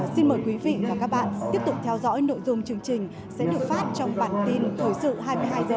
xin mời quý vị và các bạn tiếp tục theo dõi nội dung chương trình sẽ được phát trong bản tin thời sự hai mươi hai h của truyền hình nhân dân